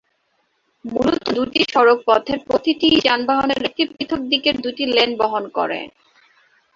মূলত, দুটি সড়ক পথের প্রতিটিই যানবাহনের একটি পৃথক দিকের দুটি লেন বহন করে।